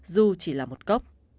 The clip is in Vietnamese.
dù chỉ là một cốc